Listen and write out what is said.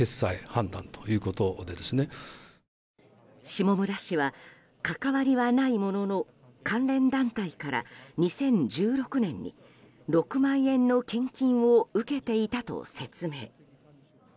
下村氏は関わりはないものの関連団体から２０１６年に６万円の献金を受けていたと説明。